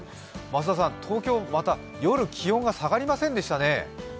増田さん、東京は夜、気温が下がりませんでしたね。